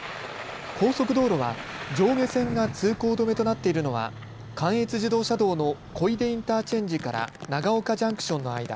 高速道路は上下線が通行止めとなっているのは関越自動車道の小出インターチェンジから長岡ジャンクションの間。